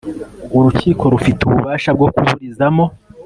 urukiko rufite ububasha bwo kuburizamo